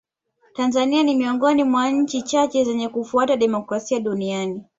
tanzania ni miongoni mwa nchi chache zenye kufuata demokrasia duniani